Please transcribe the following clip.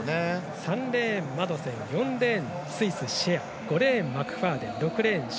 ３レーン、マドセン４レーン、シェア５レーン、マクファーデン６レーン、周。